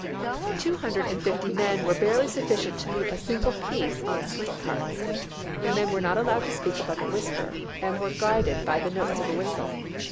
Two liiiudi ed and fifty men were barely sufficient to move a single piece on sling carts. The men were not allowed to speak above a whisper, and were guided by the notes of a whistle."